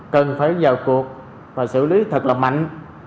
cần phải vào cuộc và xử lý thật là mạnh